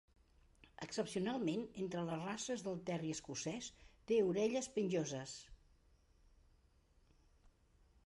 Excepcionalment entre les races de Terrier escocès, té orelles penjoses.